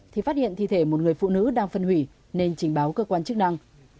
thì phát hiện thi thể một người phụ nữ đang phân hủy nên trình báo cơ quan chức năng